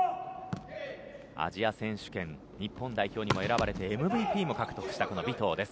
アジア選手権、日本代表にも選ばれてＭＶＰも獲得した尾藤です。